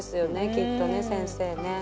きっとね先生ねっ。